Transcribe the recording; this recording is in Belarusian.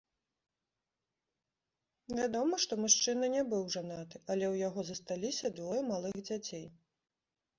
Вядома, што мужчына не быў жанаты, але ў яго засталіся двое малых дзяцей.